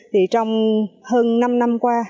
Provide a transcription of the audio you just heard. trong hơn năm năm qua